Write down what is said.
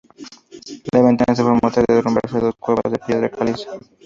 La ventana se formó tras derrumbarse dos cuevas de piedra caliza.